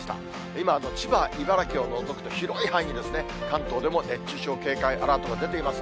今、千葉、茨城を除くと、広い範囲に関東でも熱中症警戒アラートが出ています。